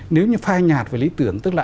nếu như phai nhạt về lý tưởng tức là